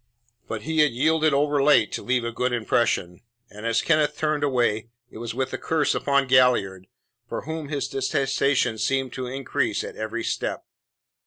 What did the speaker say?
But he had yielded overlate to leave a good impression and, as Kenneth turned away, it was with a curse upon Galliard, for whom his detestation seemed to increase at every step.